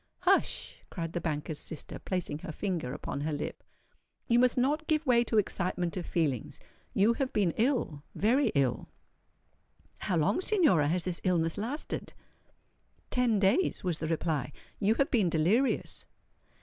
"Hush!" cried the banker's sister, placing her finger upon her lip: "you must not give way to excitement of feelings. You have been ill—very ill." "How long, Signora, has this illness lasted?" "Ten days," was the reply. "You have been delirious."